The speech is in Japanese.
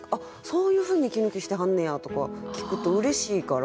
そういうふうに息抜きしてはんねやとか聞くとうれしいから。